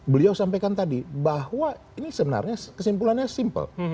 beliau sampaikan tadi bahwa ini sebenarnya kesimpulannya simpel